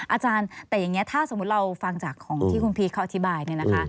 อาจารย์แต่อย่างนี้ถ้าสมมุติเราฟังจากของที่คุณพีชเขาอธิบายเนี่ยนะคะ